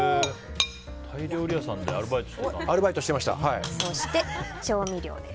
タイ料理屋さんでアルバイトしてたんだ？